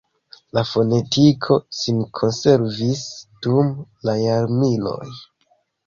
La fonetiko sin konservis dum la jarmiloj.